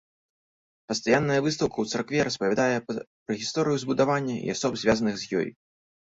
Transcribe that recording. Пастаянная выстаўка ў царкве распавядае пра гісторыю збудавання і асоб, звязаных з ёй.